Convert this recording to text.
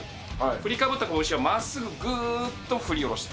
振りかぶった拳をまっすぐぐーっと振り下ろす。